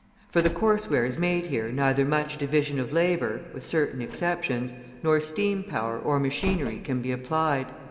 For the coarse wares made here neither much division of labour (with certain exceptions) nor steam power or machinery can be applied.